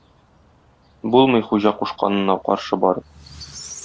Булмый хуҗа кушканына каршы барып.